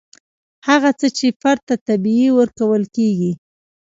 هغه څه چې فرد ته طبیعي ورکول کیږي.